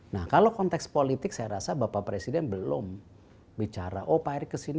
nah kalau konteks politik saya rasa bapak presiden belum bicara oh pak erick kesini